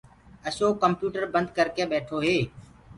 اشوڪ ڪمپيوٽرو بنٚد ڪر ڪي ٻيٺو هي